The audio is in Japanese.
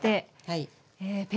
はい。